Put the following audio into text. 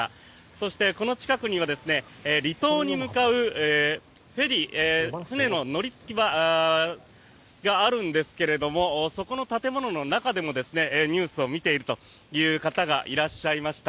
そして、この近くには離島に向かうフェリー船の乗り着き場があるんですけどそこの建物の中でもニュースを見ているという方がいらっしゃいました。